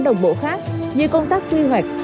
đồng bộ khác như công tác tuy hoạch